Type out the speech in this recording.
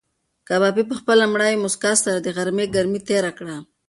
کبابي په خپله مړاوې موسکا سره د غرمې ګرمي تېره کړه.